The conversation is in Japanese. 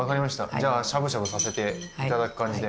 じゃあしゃぶしゃぶさせていただく感じで。